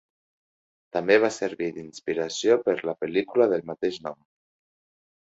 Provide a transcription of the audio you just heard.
També va servir d'inspiració per la pel·lícula del mateix nom.